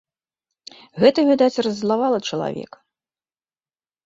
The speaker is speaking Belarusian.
Гэта, відаць, раззлавала чалавека.